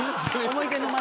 思い出の町。